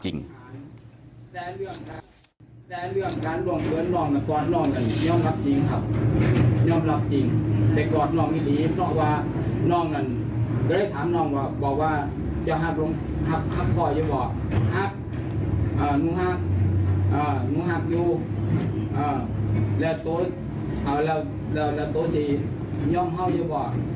เจ้าฮับพ่อเจ้าบอกฮับหนูฮับหนูฮับอยู่และตัวเจ้าย่อมฮับเจ้าเจ้าบอก